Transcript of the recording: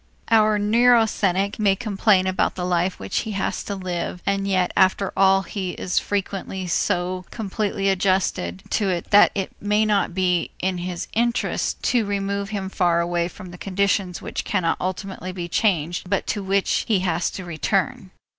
Our neurasthenic may complain about the life which he has to live and yet after all he is frequently so completely adjusted to it that it may not be in his interest to remove him far away from the conditions which cannot ultimately be changed but to which he has to return.